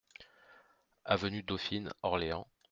Avenue Dauphine, Orléans